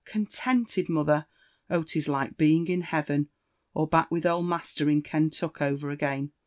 Contented, mother l < oh, 'tis like being in heaven, or back with old master in Ken tuck over again.